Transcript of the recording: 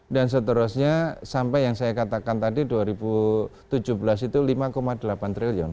dan seterusnya sampai yang saya katakan tadi dua ribu tujuh belas itu lima delapan triliun